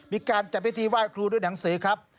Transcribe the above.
มีการจัดพิธีไหว้ครูด้วยหนังสือครับ